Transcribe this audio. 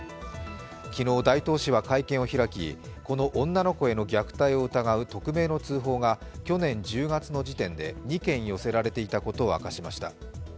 昨日、大東市は会見を開きこの女の子への虐待を疑う匿名の通報が、去年１０月の時点で２件寄せられていたことを明かしました。